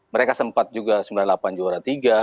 mereka sempat juga sembilan puluh delapan juara tiga